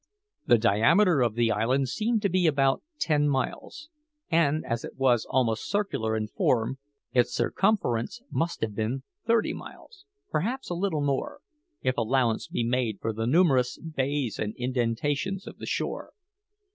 The diameter of the island seemed to be about ten miles, and as it was almost circular in form, its circumference must have been thirty miles perhaps a little more, if allowance be made for the numerous bays and indentations of the shore.